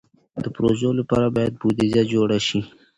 د پروژو لپاره باید بودیجه جوړه شي.